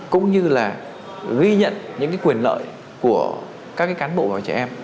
cũng như là ghi nhận những quyền lợi của các cán bộ và trẻ em